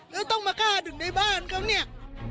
แล้วต้องมากล้าถึงในบ้านเขาเนี่ย